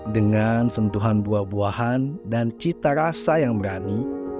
dengan sentuhan buah buahan dan cita rasa yang berani